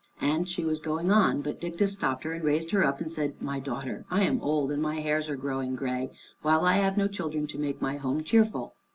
And she was going on, but Dictys stopped her and raised her up and said, "My daughter, I am old, and my hairs are growing gray, while I have no children to make my home cheerful.